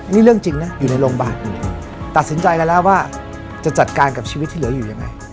นี่เรื่องจริงนะอยู่ในโรงพยาบาลตัดสินใจกันแล้วว่าจะจัดการกับชีวิตที่เหลืออยู่ยังไง